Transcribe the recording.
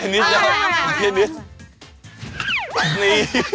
นี่